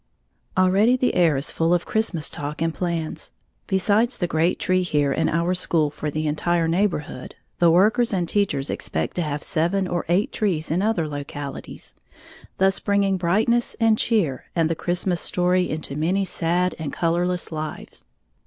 _ Already the air is full of Christmas talk and plans. Besides the great tree here in our school for the entire neighborhood, the workers and teachers expect to have seven or eight trees in other localities, thus bringing brightness and cheer and the Christmas story into many sad and colorless lives.